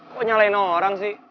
kok nyalain orang sih